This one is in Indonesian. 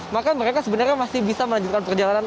maka mereka sebenarnya masih bisa melanjutkan perjalanan